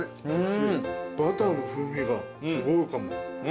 バターの風味がすごいかも。